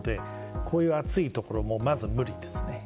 こういう暑い所はまず無理ですね。